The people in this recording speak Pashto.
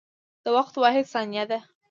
د وخت واحد ثانیه ده.